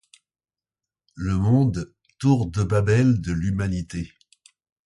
Le monde, tour de Babel de l’humanité.